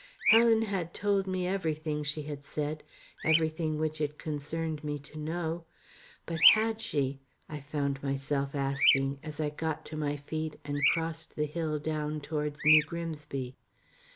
Helen had told me everything, she had said everything which it concerned me to know. But had she? I found myself asking, as I got to my feet and crossed the hill down towards New Grimsby.